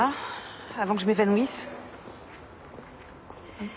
うん。